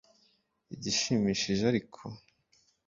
Igishimishije ariko